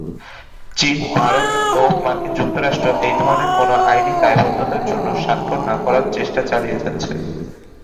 চীন, ভারত ও মার্কিন যুক্তরাষ্ট্র এই ধরনের কোন আইনি দায়বদ্ধতার জন্য স্বাক্ষর না করার চেষ্টা চালিয়ে যাচ্ছে।